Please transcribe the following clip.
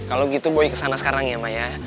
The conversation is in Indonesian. kalau gitu boy kesana sekarang ya maya